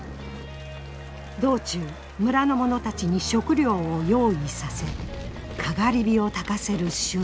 道中村の者たちに食料を用意させかがり火をたかせる周到さ。